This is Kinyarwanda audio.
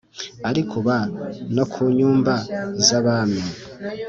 ariko uba no ku nyumba z’abami